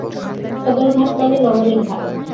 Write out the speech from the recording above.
সদরঘাট মানে "নগরের ঘাট"।